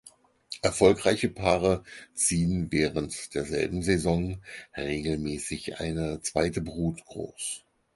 Erfolgreiche Paare ziehen während derselben Saison regelmäßig eine zweite Brut groß.